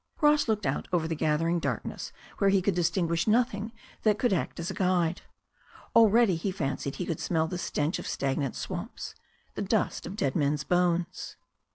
Ross looked out over the gathering darkness where he could distinguish nothing that could act as a guide. Al ready he fancied he could smell the stench of stagnant swamps, the dust of dead men's bones.